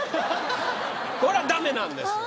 これはダメなんですよ